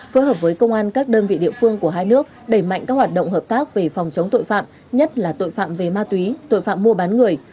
phối hợp với công an các đơn vị địa phương của hai nước đẩy mạnh các hoạt động hợp tác về phòng chống tội phạm nhất là tội phạm về ma túy tội phạm mua bán người